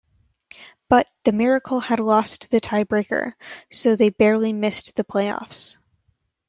But, the Miracle had lost the tie-breaker, so they barely missed the playoffs.